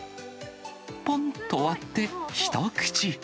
ぽんと割って、一口。